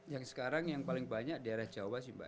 yang sekarang yang paling banyak daerah jawa sih mbak